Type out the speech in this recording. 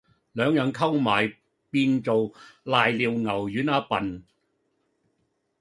兩樣溝埋變做攋尿牛丸吖笨